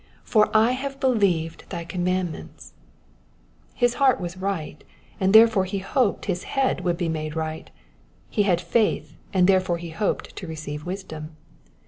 ^'^For I have believed thy commandments,'^^ His heart was right, and there fore he hoped his head would be made right. He had faith, and therefore he hoped to receive wisdom.